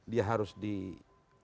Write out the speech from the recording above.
dia harus dikelola